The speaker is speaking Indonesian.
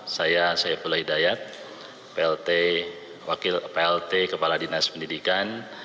saya saifullah hidayat wakil plt kepala dinas pendidikan